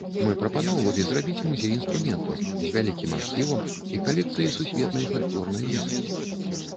Мы прапаноўвалі зрабіць музей інструментаў з вялікім архівам і калекцыяй сусветнай фальклорнай музыкі.